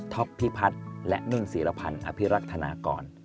พิพัฒน์และนุ่นศิรพันธ์อภิรักษ์ธนากร